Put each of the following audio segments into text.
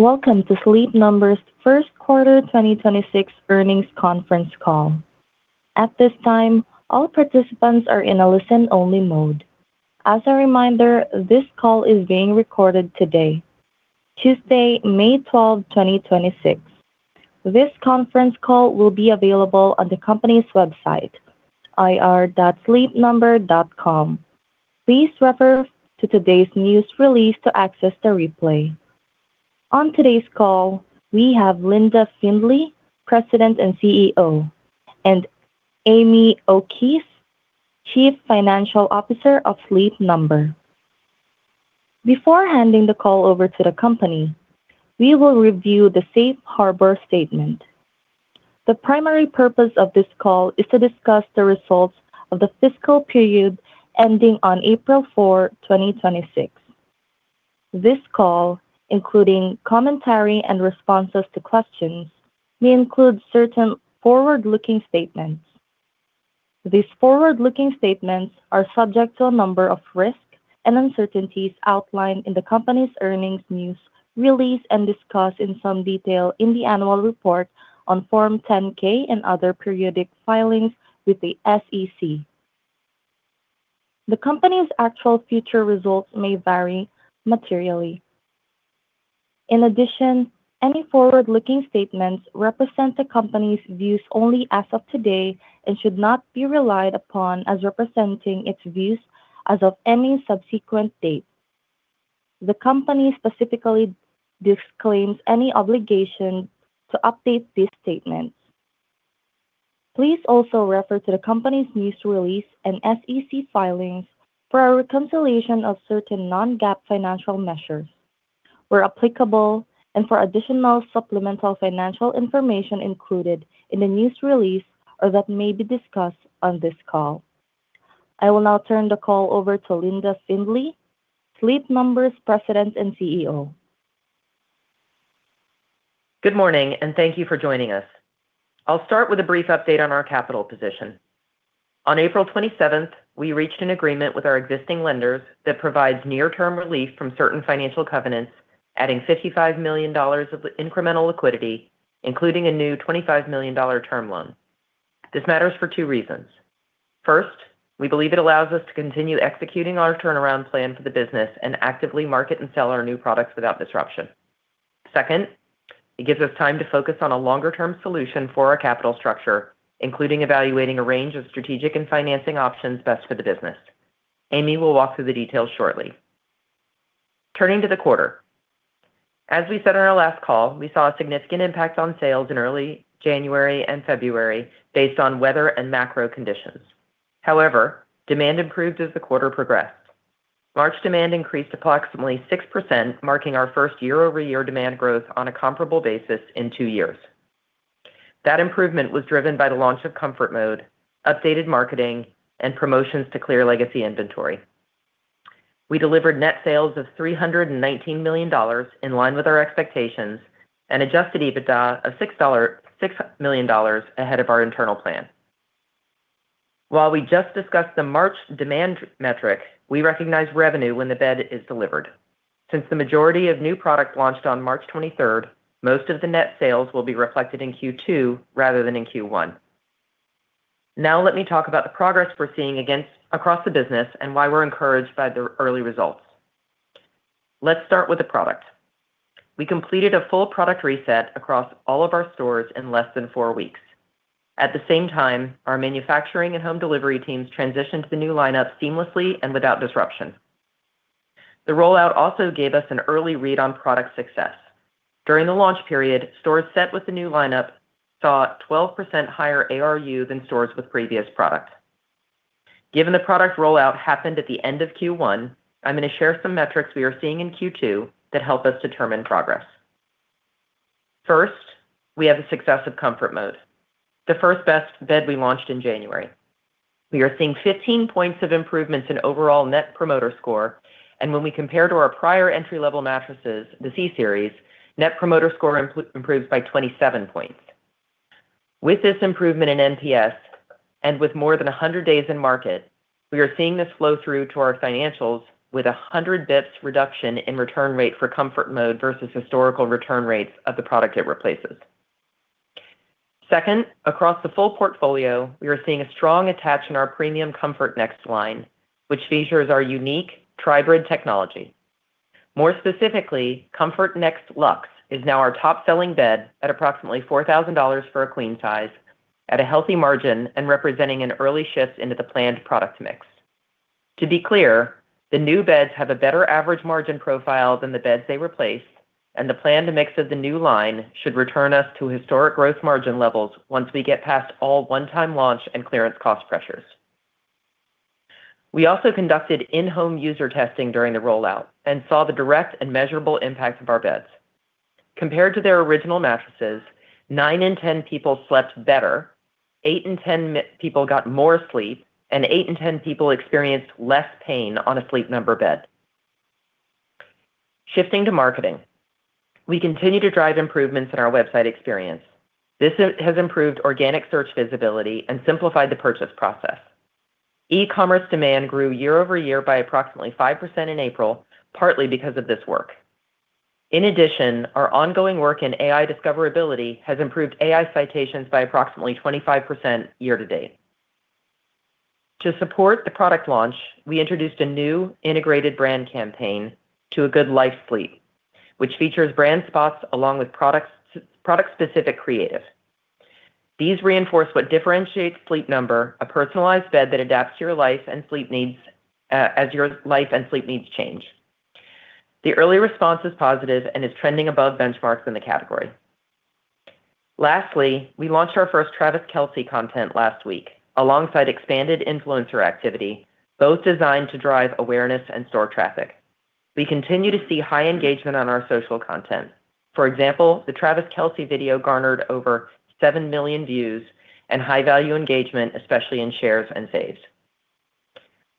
Welcome to Sleep Number's first quarter 2026 earnings conference call. At this time, all participants are in a listen only mode. As a reminder, this call is being recorded today, Tuesday, May 12, 2026. This conference call will be available on the company's website, ir.sleepnumber.com. Please refer to today's news release to access the replay. On today's call, we have Linda Findley, President and CEO, and Amy O'Keefe, Chief Financial Officer of Sleep Number. Before handing the call over to the company, we will review the safe harbor statement. The primary purpose of this call is to discuss the results of the fiscal period ending on April 4, 2026. This call, including commentary and responses to questions, may include certain forward-looking statements. These forward-looking statements are subject to a number of risks and uncertainties outlined in the company's earnings news release and discussed in some detail in the annual report on form 10-K and other periodic filings with the SEC. The company's actual future results may vary materially. In addition, any forward-looking statements represent the company's views only as of today and should not be relied upon as representing its views as of any subsequent date. The company specifically disclaims any obligation to update these statements. Please also refer to the company's news release and SEC filings for a reconciliation of certain non-GAAP financial measures where applicable and for additional supplemental financial information included in the news release or that may be discussed on this call. I will now turn the call over to Linda Findley, Sleep Number's President and CEO. Good morning, and thank you for joining us. I'll start with a brief update on our capital position. On April 27th, we reached an agreement with our existing lenders that provides near-term relief from certain financial covenants, adding $55 million of incremental liquidity, including a new $25 million term loan. This matters for two reasons. First, we believe it allows us to continue executing our turnaround plan for the business and actively market and sell our new products without disruption. Second, it gives us time to focus on a longer-term solution for our capital structure, including evaluating a range of strategic and financing options best for the business. Amy will walk through the details shortly. Turning to the quarter. As we said on our last call, we saw a significant impact on sales in early January and February based on weather and macro conditions. However, demand improved as the quarter progressed. March demand increased approximately 6%, marking our first year-over-year demand growth on a comparable basis in two years. That improvement was driven by the launch of ComfortMode, updated marketing, and promotions to clear legacy inventory. We delivered net sales of $319 million in line with our expectations and adjusted EBITDA of $6 million ahead of our internal plan. While we just discussed the March demand metric, we recognize revenue when the bed is delivered. Since the majority of new product launched on March 23rd, most of the net sales will be reflected in Q2 rather than in Q1. Let me talk about the progress we're seeing across the business and why we're encouraged by the early results. Let's start with the product. We completed a full product reset across all of our stores in less than four weeks. At the same time, our manufacturing and home delivery teams transitioned to the new lineup seamlessly and without disruption. The rollout also gave us an early read on product success. During the launch period, stores set with the new lineup saw 12% higher ARU than stores with previous product. Given the product rollout happened at the end of Q1, I'm gonna share some metrics we are seeing in Q2 that help us determine progress. First, we have the success of ComfortMode, the first best bed we launched in January. We are seeing 15 points of improvements in overall net promoter score, and when we compare to our prior entry-level mattresses, the C Series, net promoter score improves by 27 points. With this improvement in NPS and with more than 100 days in market, we are seeing this flow through to our financials with 100 basis points reduction in return rate for ComfortMode versus historical return rates of the product it replaces. Second, across the full portfolio, we are seeing a strong attach in our premium ComfortNext line, which features our unique Tribrid technology. More specifically, ComfortNext Lux is now our top-selling bed at approximately $4,000 for a queen size at a healthy margin and representing an early shift into the planned product mix. To be clear, the new beds have a better average margin profile than the beds they replaced, and the plan to mix of the new line should return us to historic gross margin levels once we get past all one-time launch and clearance cost pressures. We also conducted in-home user testing during the rollout and saw the direct and measurable impact of our beds. Compared to their original mattresses, nine in 10 people slept better, eight in 10 people got more sleep, and eight in 10 people experienced less pain on a Sleep Number bed. Shifting to marketing. We continue to drive improvements in our website experience. This has improved organic search visibility and simplified the purchase process. E-commerce demand grew year-over-year by approximately 5% in April, partly because of this work. In addition, our ongoing work in AI discoverability has improved AI citations by approximately 25% year-to-date. To support the product launch, we introduced a new integrated brand campaign To a Good Life's Sleep, which features brand spots along with products, product-specific creative. These reinforce what differentiates Sleep Number, a personalized bed that adapts to your life and sleep needs as your life and sleep needs change. The early response is positive and is trending above benchmarks in the category. We launched our first Travis Kelce content last week, alongside expanded influencer activity, both designed to drive awareness and store traffic. We continue to see high engagement on our social content. For example, the Travis Kelce video garnered over 7 million views and high value engagement, especially in shares and saves.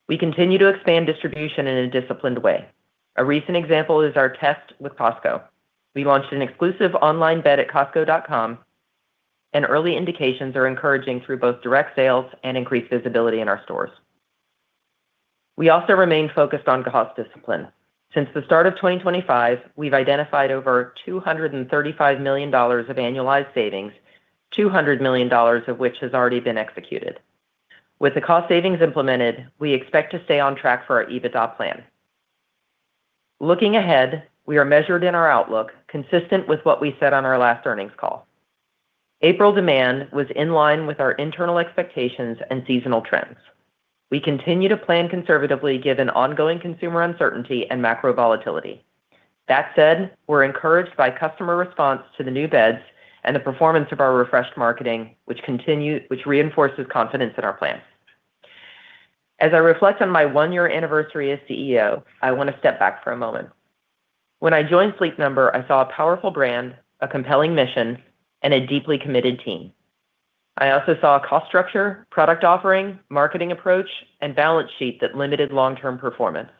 We continue to expand distribution in a disciplined way. A recent example is our test with Costco. We launched an exclusive online bed at costco.com, early indications are encouraging through both direct sales and increased visibility in our stores. We also remain focused on cost discipline. Since the start of 2025, we've identified over $235 million of annualized savings, $200 million of which has already been executed. With the cost savings implemented, we expect to stay on track for our EBITDA plan. Looking ahead, we are measured in our outlook, consistent with what we said on our last earnings call. April demand was in line with our internal expectations and seasonal trends. We continue to plan conservatively, given ongoing consumer uncertainty and macro volatility. That said, we're encouraged by customer response to the new beds and the performance of our refreshed marketing, which reinforces confidence in our plans. As I reflect on my one-year anniversary as CEO, I want to step back for a moment. When I joined Sleep Number, I saw a powerful brand, a compelling mission, and a deeply committed team. I also saw a cost structure, product offering, marketing approach, and balance sheet that limited long-term performance.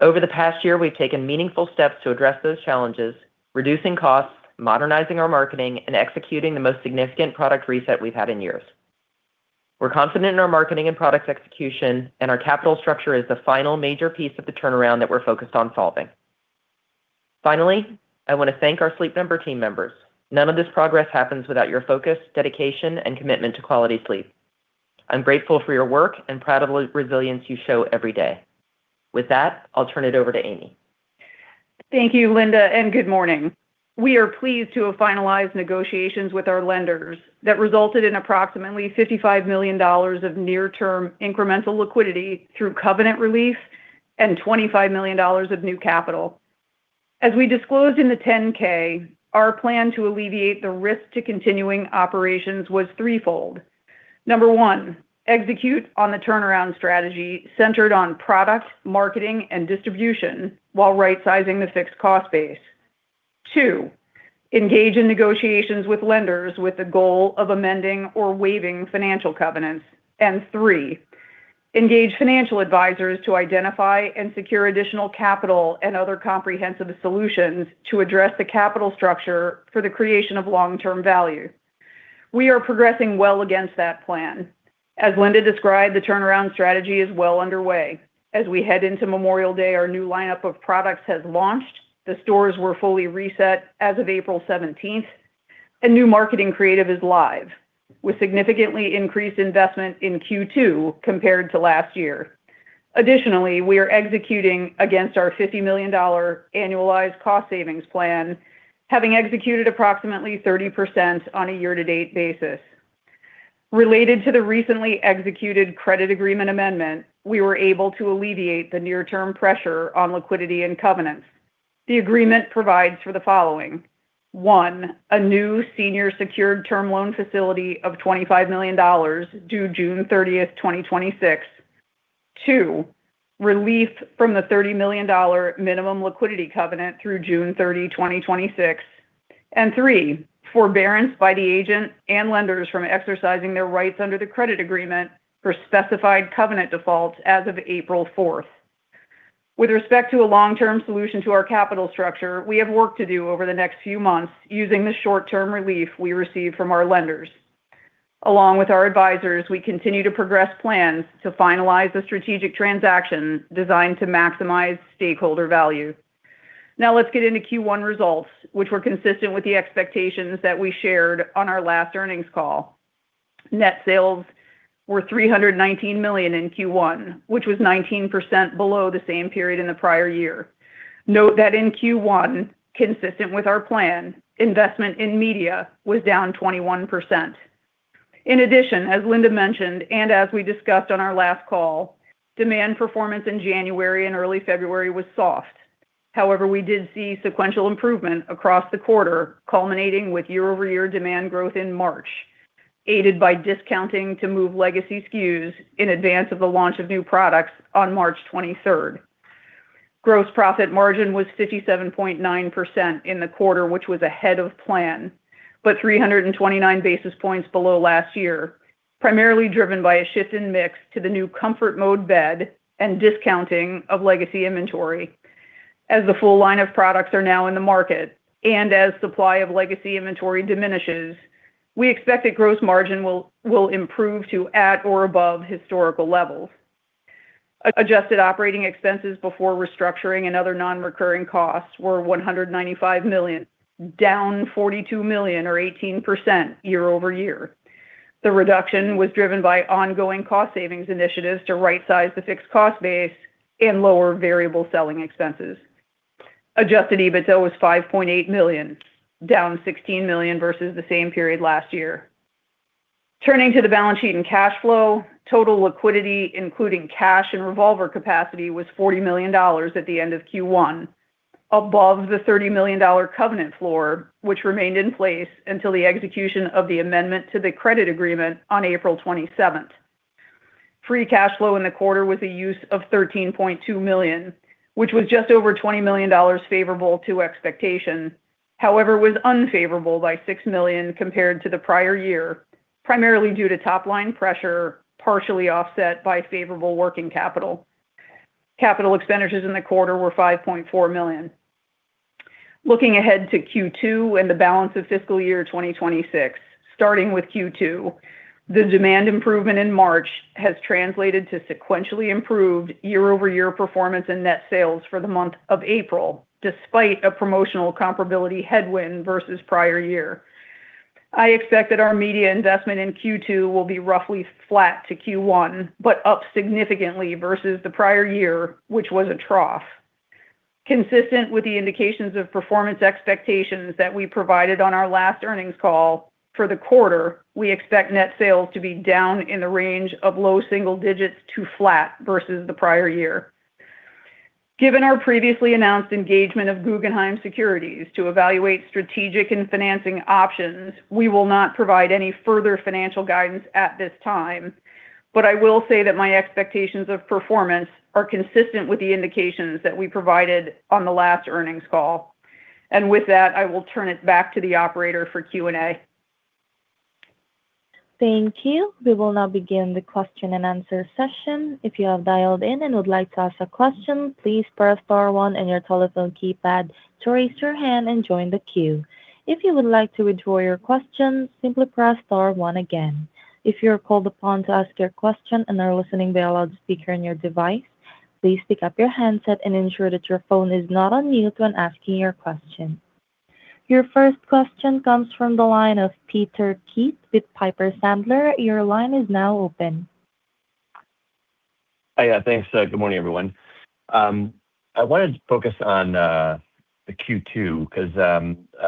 Over the past year, we've taken meaningful steps to address those challenges, reducing costs, modernizing our marketing, and executing the most significant product reset we've had in years. We're confident in our marketing and product execution, and our capital structure is the final major piece of the turnaround that we're focused on solving. I want to thank our Sleep Number team members. None of this progress happens without your focus, dedication, and commitment to quality sleep. I'm grateful for your work and proud of the resilience you show every day. With that, I'll turn it over to Amy. Thank you, Linda and good morning. We are pleased to have finalized negotiations with our lenders that resulted in approximately $55 million of near term incremental liquidity through covenant relief and $25 million of new capital. As we disclosed in the 10-K, our plan to alleviate the risk to continuing operations was threefold. Number one, execute on the turnaround strategy centered on product, marketing, and distribution while rightsizing the fixed cost base. Two, engage in negotiations with lenders with the goal of amending or waiving financial covenants. Three, engage financial advisors to identify and secure additional capital and other comprehensive solutions to address the capital structure for the creation of long-term value. We are progressing well against that plan. As Linda described, the turnaround strategy is well underway. As we head into Memorial Day, our new lineup of products has launched. The stores were fully reset as of April 17th. New marketing creative is live, with significantly increased investment in Q2 compared to last year. We are executing against our $50 million annualized cost savings plan, having executed approximately 30% on a year-to-date basis. Related to the recently executed credit agreement amendment, we were able to alleviate the near term pressure on liquidity and covenants. The agreement provides for the following. One, a new senior secured term loan facility of $25 million due June 30th, 2026. Two, relief from the $30 million minimum liquidity covenant through June 30, 2026. Three, forbearance by the agent and lenders from exercising their rights under the credit agreement for specified covenant defaults as of April 4th. With respect to a long-term solution to our capital structure, we have work to do over the next few months using the short-term relief we received from our lenders. Along with our advisors, we continue to progress plans to finalize the strategic transaction designed to maximize stakeholder value. Let's get into Q1 results, which were consistent with the expectations that we shared on our last earnings call. Net sales were $319 million in Q1, which was 19% below the same period in the prior year. Note that in Q1, consistent with our plan, investment in media was down 21%. In addition, as Linda mentioned, and as we discussed on our last call, demand performance in January and early February was soft. However, we did see sequential improvement across the quarter, culminating with year-over-year demand growth in March, aided by discounting to move legacy SKUs in advance of the launch of new products on March 23rd. Gross profit margin was 57.9% in the quarter, which was ahead of plan, but 329 basis points below last year, primarily driven by a shift in mix to the new ComfortMode bed and discounting of legacy inventory. As the full line of products are now in the market and as supply of legacy inventory diminishes, we expect that gross margin will improve to at or above historical levels. Adjusted operating expenses before restructuring and other non-recurring costs were $195 million, down $42 million or 18% year-over-year. The reduction was driven by ongoing cost savings initiatives to right size the fixed cost base and lower variable selling expenses. Adjusted EBITDA was $5.8 million, down $16 million versus the same period last year. Turning to the balance sheet and cash flow, total liquidity, including cash and revolver capacity, was $40 million at the end of Q1, above the $30 million covenant floor, which remained in place until the execution of the amendment to the credit agreement on April 27th. Free cash flow in the quarter was a use of $13.2 million, which was just over $20 million favorable to expectations. However, was unfavorable by $6 million compared to the prior year, primarily due to top line pressure, partially offset by favorable working capital. Capital expenditures in the quarter were $5.4 million. Looking ahead to Q2 and the balance of fiscal year 2026. Starting with Q2, the demand improvement in March has translated to sequentially improved year-over-year performance and net sales for the month of April, despite a promotional comparability headwind versus prior year. I expect that our media investment in Q2 will be roughly flat to Q1, but up significantly versus the prior year, which was a trough. Consistent with the indications of performance expectations that we provided on our last earnings call for the quarter, we expect net sales to be down in the range of low single digits to flat versus the prior year. Given our previously announced engagement of Guggenheim Securities to evaluate strategic and financing options, we will not provide any further financial guidance at this time. I will say that my expectations of performance are consistent with the indications that we provided on the last earnings call. With that, I will turn it back to the operator for Q&A. Thank you. We will now begin the question and answer session. If you are dialed in and would like to ask a question, please press star one on your telephone keypad to raise your hand and join the queue. If you would like to withdraw your question, simply press star one again. If you are called upon to ask your question and are listening via speaker on your device, please speak up your handset and ensure that your phone is not on mute when asking your question. Your first question comes from the line of Peter Keith with Piper Sandler. Your line is now open. Hi. Thanks. Good morning, everyone. I wanted to focus on the Q2 because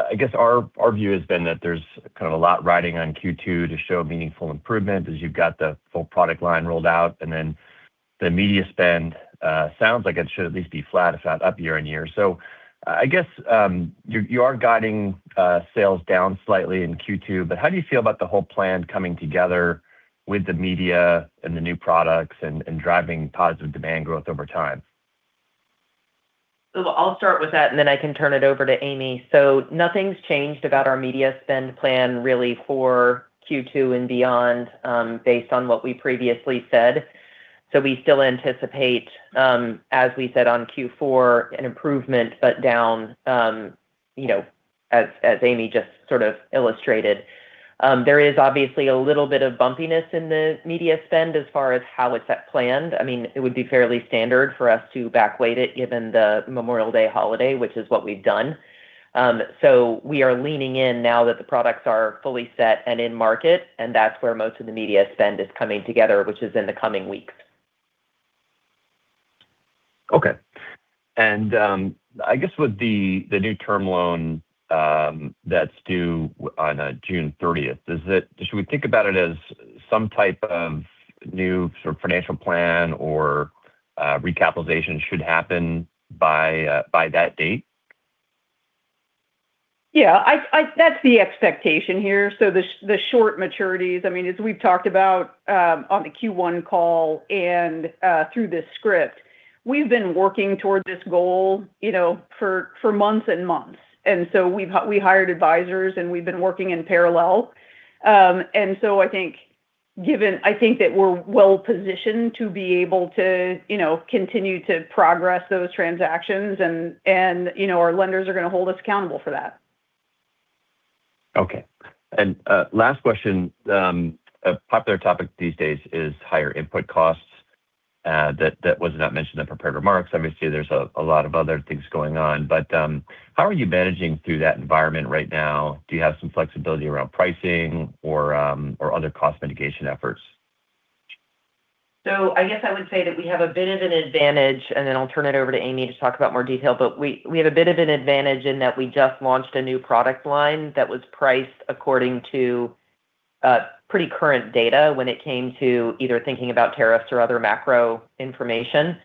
I guess our view has been that there's kind of a lot riding on Q2 to show meaningful improvement as you've got the full product line rolled out and then the media spend sounds like it should at least be flat, if not up year-on-year. I guess you are guiding sales down slightly in Q2, but how do you feel about the whole plan coming together with the media and the new products and driving positive demand growth over time? I'll start with that, and then I can turn it over to Amy. Nothing's changed about our media spend plan really for Q2 and beyond, based on what we previously said. We still anticipate, as we said on Q4, an improvement but down, you know, as Amy just sort of illustrated. There is obviously a little bit of bumpiness in the media spend as far as how it's planned. I mean, it would be fairly standard for us to back weight it given the Memorial Day holiday, which is what we've done. We are leaning in now that the products are fully set and in market, and that's where most of the media spend is coming together, which is in the coming weeks. Okay. I guess with the new term loan, that's due on June 30th, should we think about it as some type of new sort of financial plan or recapitalization should happen by that date? Yeah. That's the expectation here. The short maturities, I mean, as we've talked about, on the Q1 call and through this script, we've been working towards this goal, you know, for months and months. We hired advisors, and we've been working in parallel. I think that we're well-positioned to be able to, you know, continue to progress those transactions and, you know, our lenders are gonna hold us accountable for that. Okay. Last question. A popular topic these days is higher input costs that was not mentioned in prepared remarks. Obviously, there's a lot of other things going on. How are you managing through that environment right now? Do you have some flexibility around pricing or other cost mitigation efforts? I guess I would say that we have a bit of an advantage, and then I'll turn it over to Amy to talk about more detail. We have a bit of an advantage in that we just launched a new product line that was priced according to pretty current data when it came to either thinking about tariffs or other macro information.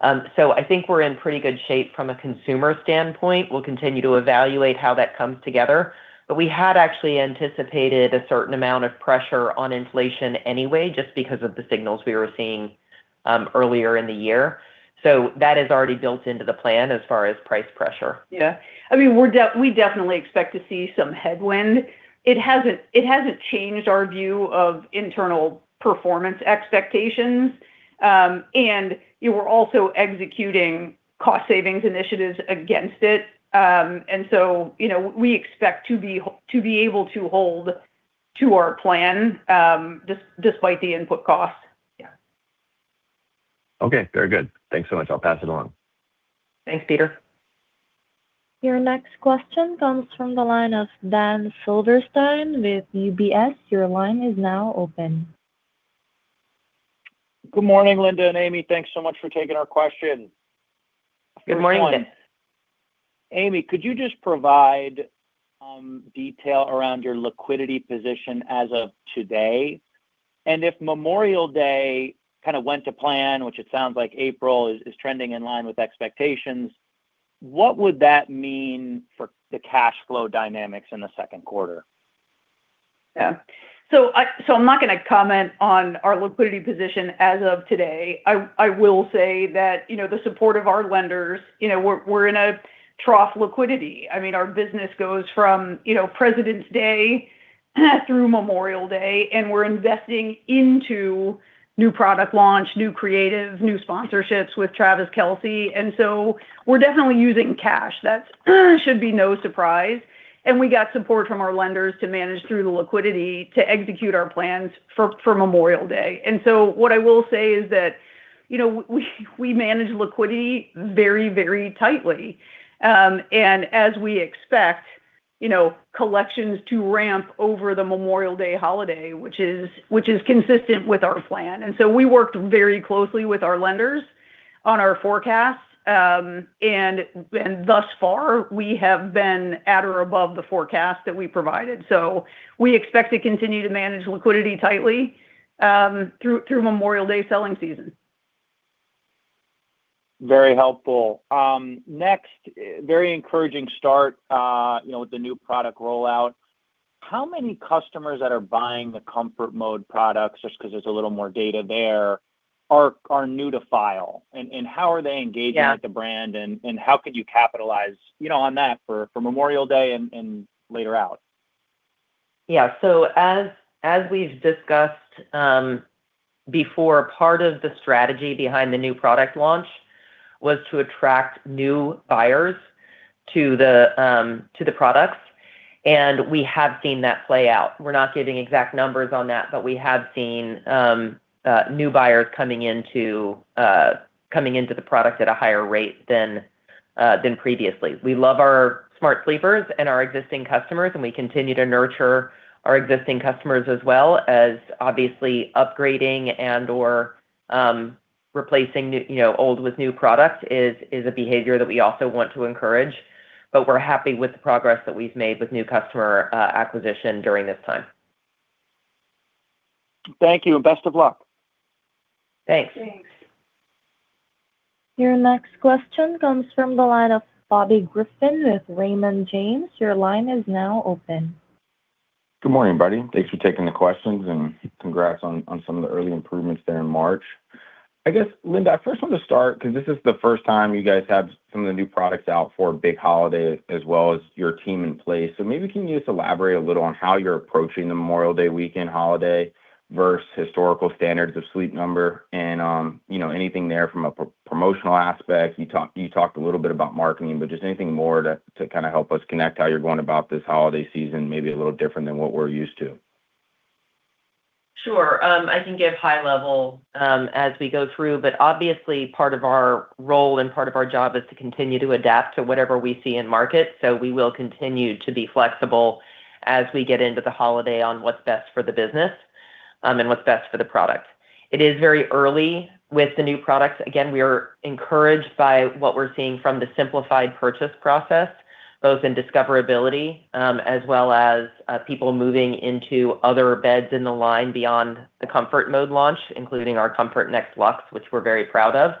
I think we're in pretty good shape from a consumer standpoint. We'll continue to evaluate how that comes together. We had actually anticipated a certain amount of pressure on inflation anyway, just because of the signals we were seeing earlier in the year. That is already built into the plan as far as price pressure. I mean, we definitely expect to see some headwind. It hasn't changed our view of internal performance expectations. You were also executing cost savings initiatives against it. You know, we expect to be able to hold to our plan, despite the input costs. Yeah. Okay. Very good. Thanks so much. I'll pass it along. Thanks, Peter. Your next question comes from the line of Dan Silverstein with UBS. Your line is now open. Good morning, Linda and Amy. Thanks so much for taking our question. Good morning. Good morning Amy, could you just provide detail around your liquidity position as of today? If Memorial Day kind of went to plan, which it sounds like April is trending in line with expectations, what would that mean for the cash flow dynamics in the second quarter? Yeah. I'm not gonna comment on our liquidity position as of today. I will say that, you know, the support of our lenders, you know, we're in a trough liquidity. I mean, our business goes from, you know, President's Day through Memorial Day, and we're investing into new product launch, new creative, new sponsorships with Travis Kelce. We're definitely using cash. That should be no surprise. We got support from our lenders to manage through the liquidity to execute our plans for Memorial Day. What I will say is that, you know, we manage liquidity very tightly. As we expect, you know, collections to ramp over the Memorial Day holiday, which is consistent with our plan. We worked very closely with our lenders on our forecast. Thus far we have been at or above the forecast that we provided. We expect to continue to manage liquidity tightly, through Memorial Day selling season. Very helpful. Next, very encouraging start, you know, with the new product rollout. How many customers that are buying the ComfortMode products, just 'cause there's a little more data there, are new to file? How are they engaging- Yeah ...with the brand, and how could you capitalize, you know, on that for Memorial Day and later out? Yeah. As we've discussed before, part of the strategy behind the new product launch was to attract new buyers to the products, and we have seen that play out. We're not giving exact numbers on that, but we have seen new buyers coming into the product at a higher rate than previously. We love our smart sleepers and our existing customers, and we continue to nurture our existing customers as well as obviously upgrading and/or replacing, you know, old with new product is a behavior that we also want to encourage. We're happy with the progress that we've made with new customer acquisition during this time. Thank you, and best of luck. Thanks. Thanks Thanks. Your next question comes from the line of Bobby Griffin with Raymond James. Good morning, everybody. Thanks for taking the questions, and congrats on some of the early improvements there in March. I guess, Linda, I first want to start, 'cause this is the first time you guys have some of the new products out for a big holiday, as well as your team in place. Maybe can you just elaborate a little on how you're approaching the Memorial Day weekend holiday versus historical standards of Sleep Number and, you know, anything there from a promotional aspect. You talked a little bit about marketing, but just anything more to kind of help us connect how you're going about this holiday season, maybe a little different than what we're used to. Sure. I can give high level, as we go through, but obviously part of our role and part of our job is to continue to adapt to whatever we see in market. We will continue to be flexible as we get into the holiday on what's best for the business, and what's best for the product. It is very early with the new products. We are encouraged by what we're seeing from the simplified purchase process, both in discoverability, as well as people moving into other beds in the line beyond the ComfortMode launch, including our ComfortNext Lux, which we're very proud of.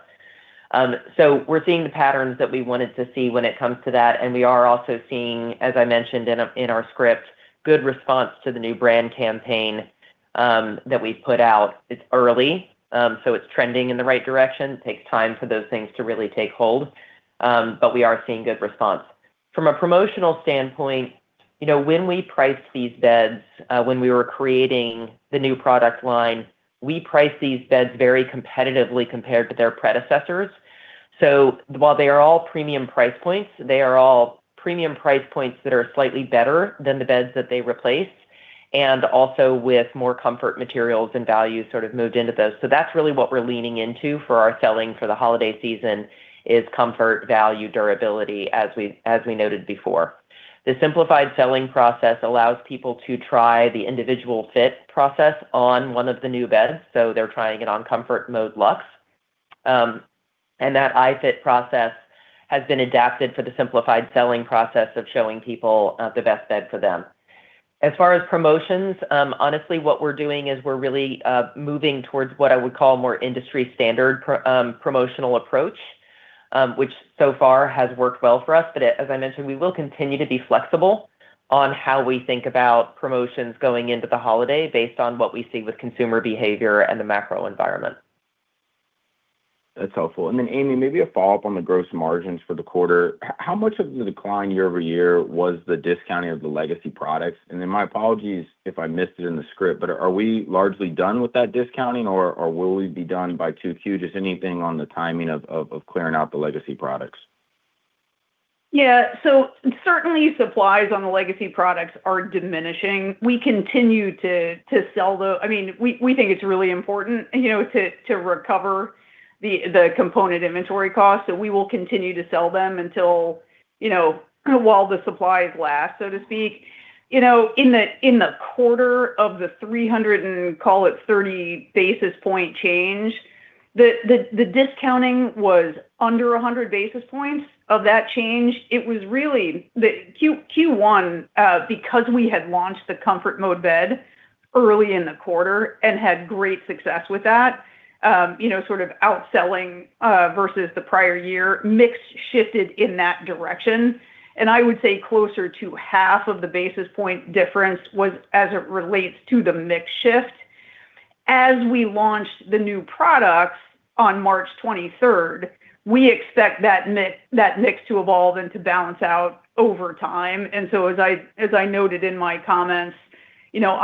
We're seeing the patterns that we wanted to see when it comes to that, and we are also seeing, as I mentioned in our, in our script, good response to the new brand campaign that we've put out. It's early, it's trending in the right direction. It takes time for those things to really take hold. We are seeing good response. From a promotional standpoint, you know, when we priced these beds, when we were creating the new product line, we priced these beds very competitively compared to their predecessors. While they are all premium price points, they are all premium price points that are slightly better than the beds that they replaced, and also with more comfort materials and value sort of moved into those. That's really what we're leaning into for our selling for the holiday season is comfort, value, durability as we noted before. The simplified selling process allows people to try the individual fit process on one of the new beds. They're trying it on ComfortMode Luxe. And that iFit process has been adapted for the simplified selling process of showing people the best bed for them. As far as promotions, honestly, what we're doing is we're really moving towards what I would call more industry standard promotional approach, which so far has worked well for us. As I mentioned, we will continue to be flexible on how we think about promotions going into the holiday based on what we see with consumer behavior and the macro environment. That's helpful. Amy, maybe a follow-up on the gross margins for the quarter. How much of the decline year-over-year was the discounting of the legacy products? My apologies if I missed it in the script, are we largely done with that discounting, or will we be done by Q2? Just anything on the timing of clearing out the legacy products. Yeah. Certainly supplies on the legacy products are diminishing. We continue to sell the I mean, we think it's really important, you know, to recover the component inventory costs, so we will continue to sell them until, you know, while the supplies last, so to speak. You know, in the quarter of the 330 basis point change, the discounting was under 100 basis points of that change. It was really the Q1 because we had launched the ComfortMode bed early in the quarter and had great success with that, you know, sort of outselling versus the prior year. Mix shifted in that direction. I would say closer to half of the basis point difference was as it relates to the mix shift. As we launched the new products on March 23rd, we expect that mix to evolve and to balance out over time. As I noted in my comments, you know,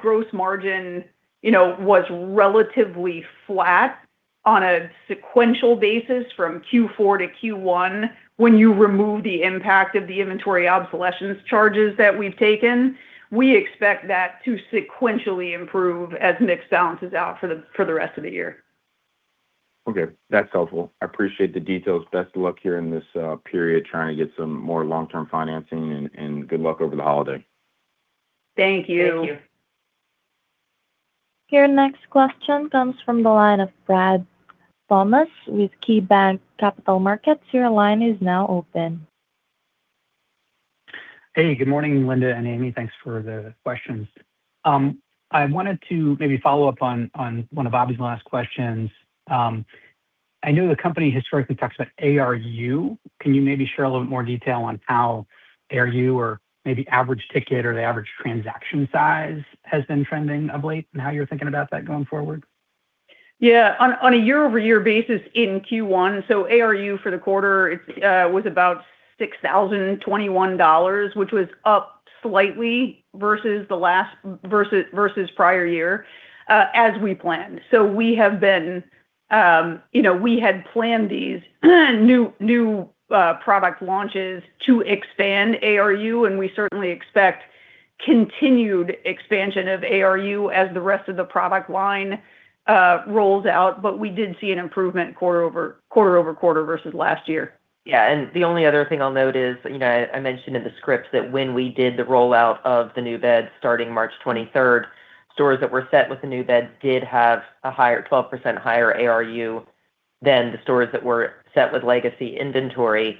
gross margin, you know, was relatively flat on a sequential basis from Q4 to Q1 when you remove the impact of the inventory obsolescence charges that we've taken. We expect that to sequentially improve as mix balances out for the rest of the year. Okay, that's helpful. I appreciate the details. Best of luck here in this period trying to get some more long-term financing and good luck over the holiday. Thank you. Thank you Your next question comes from the line of Brad Thomas with KeyBanc Capital Markets. Your line is now open. Hey, good morning Linda and Amy. Thanks for the questions. I wanted to maybe follow up on one of Bobby's last questions. I know the company historically talks about ARU. Can you maybe share a little bit more detail on how ARU or maybe average ticket or the average transaction size has been trending of late and how you're thinking about that going forward? Yeah. On a year-over-year basis in Q1, ARU for the quarter was about $6,021, which was up slightly versus the last versus prior year, as we planned. We have been, you know, we had planned these new product launches to expand ARU, we certainly expect continued expansion of ARU as the rest of the product line rolls out. We did see an improvement quarter-over-quarter versus last year. Yeah. The only other thing I'll note is, you know, I mentioned in the script that when we did the rollout of the new bed starting March 23rd, stores that were set with the new bed did have a higher, 12% higher ARU than the stores that were set with legacy inventory.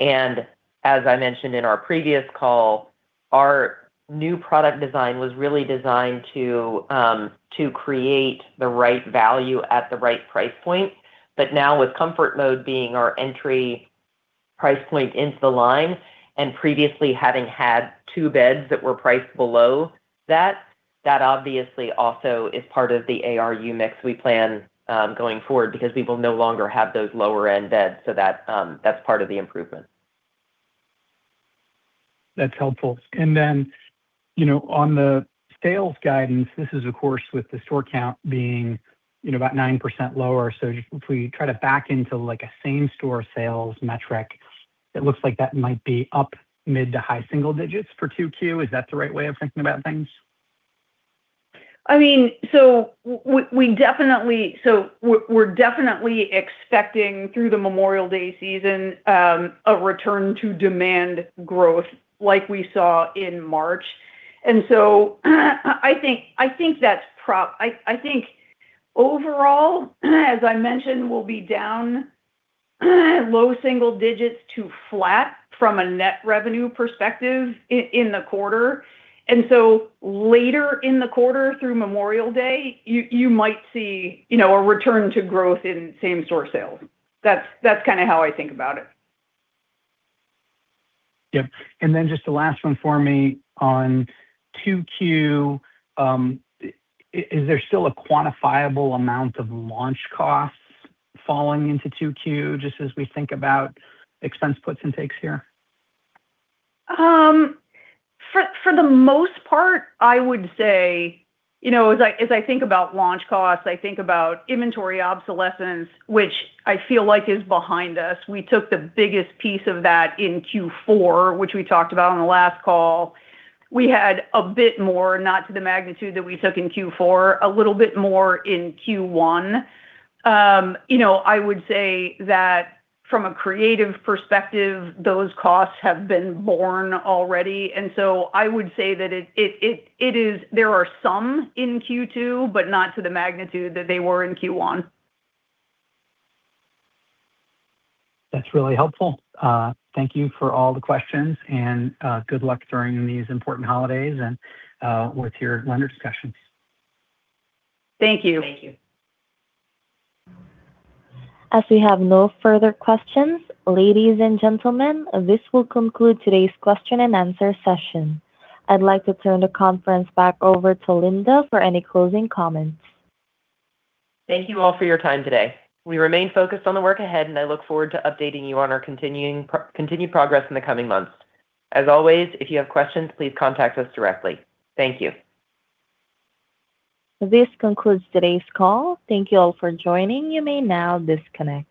As I mentioned in our previous call, our new product design was really designed to create the right value at the right price point. Now with ComfortMode being our entry price point into the line and previously having had two beds that were priced below that obviously also is part of the ARU mix we plan going forward because we will no longer have those lower end beds. That's part of the improvement. That's helpful. You know, on the sales guidance, this is of course with the store count being, you know, about 9% lower. If we try to back into like a same store sales metric, it looks like that might be up mid to high single digits for Q2. Is that the right way of thinking about things? I mean, we're definitely expecting through the Memorial Day season, a return to demand growth like we saw in March. I think overall, as I mentioned, we'll be down low single digits to flat from a net revenue perspective in the quarter. Later in the quarter through Memorial Day, you might see, you know, a return to growth in same store sales. That's kinda how I think about it. Yep. Just the last one for me on Q2, is there still a quantifiable amount of launch costs falling into Q2 just as we think about expense puts and takes here? For, for the most part, I would say, you know, as I, as I think about launch costs, I think about inventory obsolescence, which I feel like is behind us. We took the biggest piece of that in Q4, which we talked about on the last call. We had a bit more, not to the magnitude that we took in Q4, a little bit more in Q1. You know, I would say that from a creative perspective, those costs have been borne already. I would say that it is. There are some in Q2, but not to the magnitude that they were in Q1. That's really helpful. Thank you for all the questions and good luck during these important holidays and with your lender discussions. Thank you. As we have no further questions, ladies and gentlemen, this will conclude today's question and answer session. I'd like to turn the conference back over to Linda for any closing comments. Thank you all for your time today. We remain focused on the work ahead, and I look forward to updating you on our continued progress in the coming months. As always, if you have questions, please contact us directly. Thank you. This concludes today's call. Thank you all for joining. You may now disconnect.